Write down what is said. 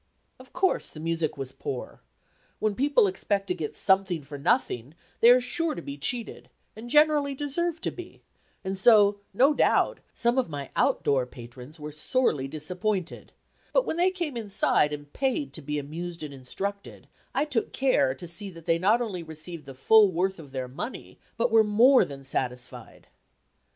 Of course, the music was poor. When people expect to get "something for nothing" they are sure to be cheated, and generally deserve to be, and so, no doubt, some of my out door patrons were sorely disappointed; but when they came inside and paid to be amused and instructed, I took care to see that they not only received the full worth of their money, but were more than satisfied.